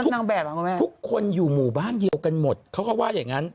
นางแบบคุณแม่ทุกคนอยู่หมู่บ้านเดียวกันหมดเขาก็ว่าอย่างงั้น